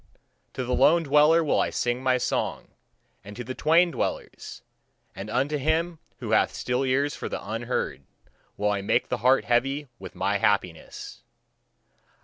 To the lone dwellers will I sing my song, and to the twain dwellers; and unto him who hath still ears for the unheard, will I make the heart heavy with my happiness.